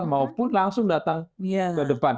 maupun langsung datang ke depan